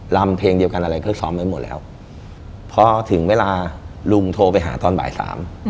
ลำเพลงเดียวกันอะไรก็ซ้อมไว้หมดแล้วพอถึงเวลาลุงโทรไปหาตอนบ่ายสาม